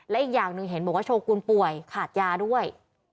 และอีกอย่างหนึ่งเห็นบอกว่าโชกุลป่วยขาดยาด้วย